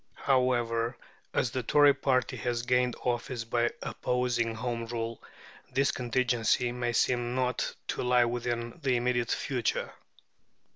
However, as the Tory party has gained office by opposing Home Rule, this contingency may seem not to lie within the immediate future.